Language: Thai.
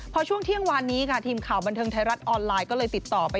พอช่วงเที่ยงวันนี้ค่ะทีมข่าวบันเทิงไทยรัฐออนไลน์ก็เลยติดต่อไป